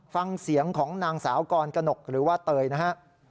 ฟังเสียงของนางสาวกรกนกหรือว่าเตยนะฮะ